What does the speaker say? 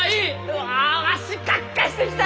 うわわしカッカしてきた！